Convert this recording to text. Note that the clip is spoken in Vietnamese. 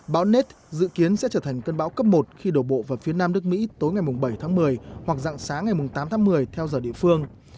bão net dự kiến sẽ trở thành cơn bão cấp một khi đổ bộ vào phía nam nước mỹ tối ngày bảy tháng một mươi hoặc dạng sáng ngày tám tháng một mươi theo giờ địa phương